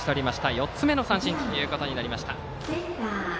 ４つ目の三振となりました。